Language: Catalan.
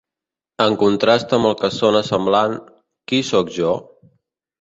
En contrast amb el que sona semblant, qui soc jo?